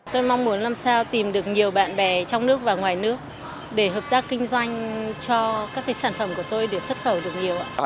tôi mong muốn làm sao tìm được nhiều bạn bè trong nước và ngoài nước để hợp tác kinh doanh cho các sản phẩm của tôi để xuất khẩu được nhiều